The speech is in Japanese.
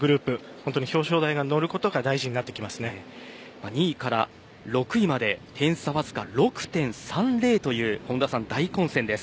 本当に表彰台に乗ることが２位から６位まで点差わずか６．３０という本田さん、大混戦です。